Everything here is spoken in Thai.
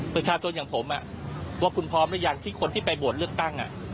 ประชาชนอย่างผมว่าคุณพร้อมหรือยังที่คนที่ไปโหวตเลือกตั้ง